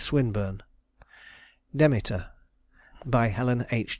SWINBURNE Demeter HELEN H.